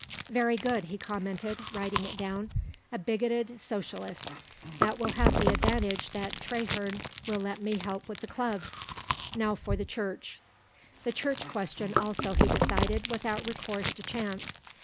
"Very good," he commented, writing it down. "A bigoted Socialist. That will have the advantage that Traherne will let me help with the clubs. Now for the Church." The Church question also he decided without recourse to chance.